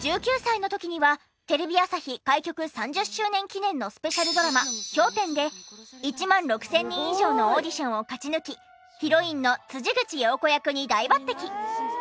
１９歳の時にはテレビ朝日開局３０周年記念のスペシャルドラマ『氷点』で１万６０００人以上のオーディションを勝ち抜きヒロインの口陽子役に大抜擢！